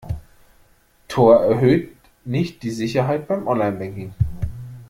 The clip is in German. Tor erhöht nicht die Sicherheit beim Online-Banking.